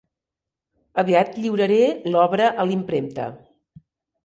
Aviat lliuraré l'obra a la impremta.